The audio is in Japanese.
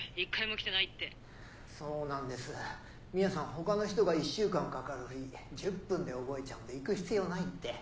他の人が１週間かかる振り１０分で覚えちゃうんで行く必要ないって。